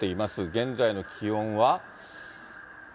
現在の気温は。